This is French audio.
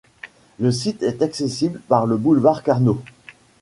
Le site est accessible par le boulevard Carnot.